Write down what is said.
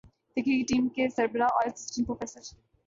تحقیقی ٹیم کے سربراہ اور اسسٹنٹ پروفیسر